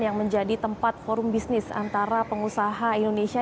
yang menjadi tempat forum bisnis antara pengusaha indonesia